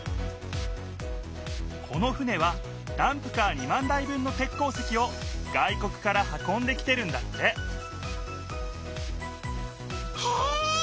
この船はダンプカー２万台分の鉄鉱石を外国から運んできてるんだってへえ！